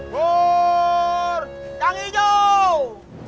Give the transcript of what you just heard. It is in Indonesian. bur tangi dong